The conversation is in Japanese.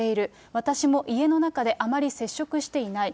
私も家の中であまり接触していない。